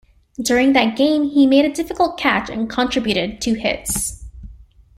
During that game he made a difficult catch and contributed two hits.